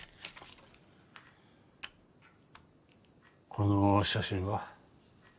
この写真は？